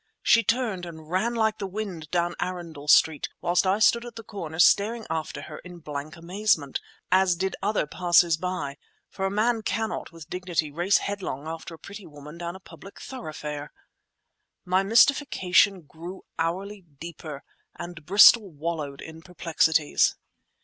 She turned and ran like the wind down Arundel Street, whilst I stood at the corner staring after her in blank amazement, as did other passers by; for a man cannot with dignity race headlong after a pretty woman down a public thoroughfare! My mystification grew hourly deeper; and Bristol wallowed in perplexities.